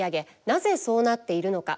なぜそうなっているのか。